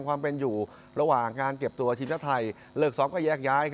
ความเป็นอยู่ระหว่างการเก็บตัวทีมชาติไทยเลิกซ้อมก็แยกย้าย